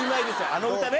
あの歌ね。